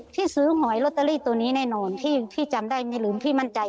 ที่ซื้อหอยลอตเตอรี่ตัวนี้แน่นอนที่จำได้ไม่ลืมพี่มั่นใจ